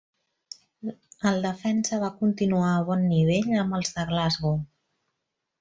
El defensa va continuar a bon nivell amb els de Glasgow.